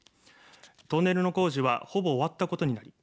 トンネルの工事はほぼ終わったことになり